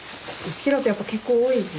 １キロってやっぱ結構多いですね。